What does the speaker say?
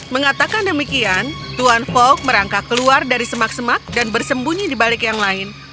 mengatakan demikian tuan fog merangkak keluar dari semak semak dan bersembunyi di balik yang lain